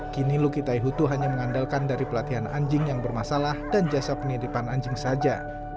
kini luki taihutu hanya mengandalkan dari pelatihan anjing yang bermasalah dan jasa penitipan anjing saja